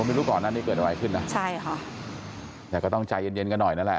ว่าไม่รู้ก่อนนั้นจะเกิดอะไรขึ้นเหรอแต่ก็ต้องใจเย็นกันหน่อยนั่นแหละ